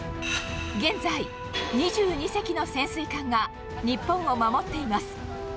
現在、２２隻の潜水艦が日本を守っています。